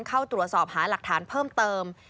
เข้าตรวจสอบหาหลักฐานเพิ่มเติม